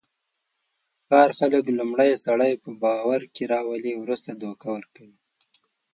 د ښار خلک لومړی سړی په باورکې راولي، ورسته دوکه ورکوي.